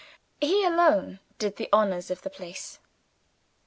He alone did the honors of the place.